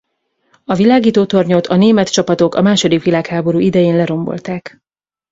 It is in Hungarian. A világítótornyot a német csapatok a második világháború idején lerombolták.